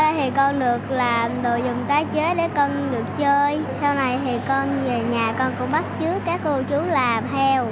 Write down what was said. sau này thì con về nhà con cũng bắt chứa các cô chú làm theo